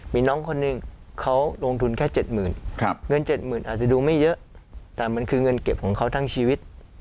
มีน้องคนนึงเขาลงทุนแค่เจ็ดหมื่นเงินเจ็ดหมื่นอาจจะดูไม่เยอะแต่มันคือเงินเก็บของเขาทั้งชีวิต